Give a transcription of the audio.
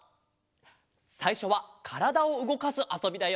さいしょはからだをうごかすあそびだよ。